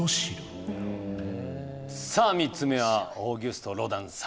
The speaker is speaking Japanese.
さあ３つ目はオーギュスト・ロダン作